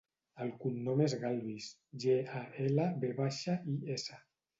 El cognom és Galvis: ge, a, ela, ve baixa, i, essa.